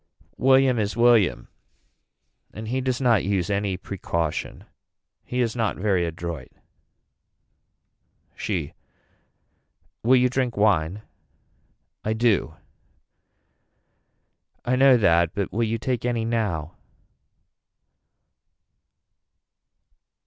William is William and he does not use any precaution. He is not very adroit. She. Will you drink wine. I do. I know that but will you take any now.